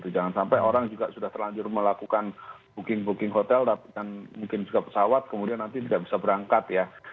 jangan sampai orang juga sudah terlanjur melakukan booking booking hotel dan mungkin juga pesawat kemudian nanti tidak bisa berangkat ya